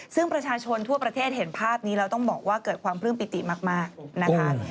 ซึ่งประชาชนทั่วประเทศเห็นภาพนี้แล้วต้องบอกว่าเกิดความปลื้มปิติมากนะคะ